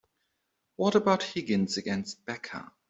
What about Higgins against Becca?